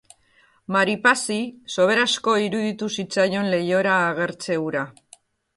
Maripazi soberaxko iruditu zitzaion leihora agertze hura.